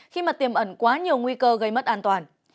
khi mà tiềm ẩn quá nhiều nguy cơ gây mất an toàn